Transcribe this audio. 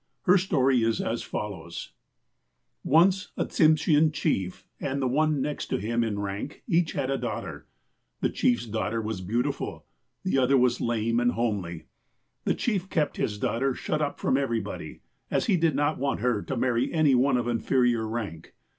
Her story is as follows :/'' Once a Tsimshean chief, and the one next to him in rank, each had a daughter. The chief's daughter was beautiful. The other was lame, and homely. '' The chief kept his daughter shut up from everybody, as he did not want her to marry any one of inferior rank.